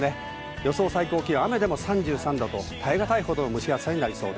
予想最高気温、雨でも３３度と耐え難いほどの蒸し暑さになりそう